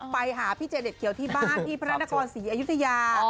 ไปหาพี่เจเด็ดเขียวที่บ้านที่พระนครศรีอยุธยา